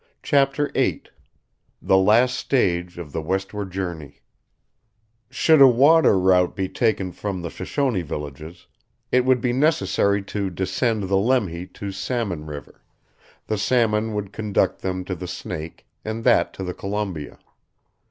CHAPTER VIII THE LAST STAGE OF THE WESTWARD JOURNEY Should a water route be taken from the Shoshone villages, it would be necessary to descend the Lemhi to Salmon River; the Salmon would conduct them to the Snake, and that to the Columbia.